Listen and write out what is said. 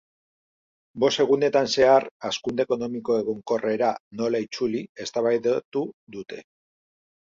Bost egunetan zehar hazkunde ekonomiko egonkorrera nola itzuli eztabaidatu dute.